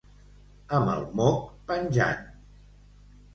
Amb el moc penjant.